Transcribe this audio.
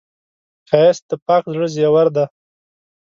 ښایست د پاک زړه زیور دی